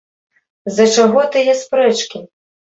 З-за чаго тыя спрэчкі?